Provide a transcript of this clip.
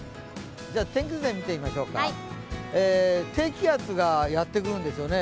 天気図で見ていきましょうか、低気圧がやってくるんですよね。